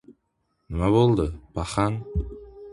— Nima bo‘ldi, paxan?